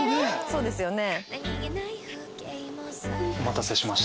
そうですよね。